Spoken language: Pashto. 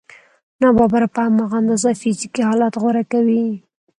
ناببره په هماغه اندازه فزیکي حالت غوره کوي